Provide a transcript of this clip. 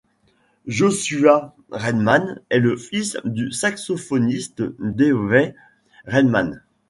Joshua Redman est le fils du saxophoniste Dewey Redman.